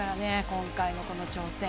今回の、この挑戦。